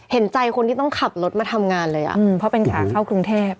เห็นใจคนที่ต้องขับรถมาทำงานเลยเพราะเป็นขาเข้ากรุงเทพ